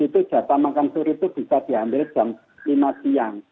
itu jatah makan suri itu bisa diambil jam lima siang